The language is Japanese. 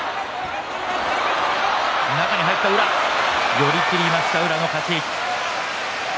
寄り切りました宇良の勝ち。